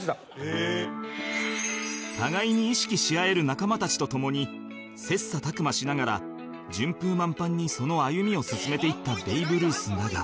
互いに意識し合える仲間たちとともに切磋琢磨しながら順風満帆にその歩みを進めていったベイブルースだが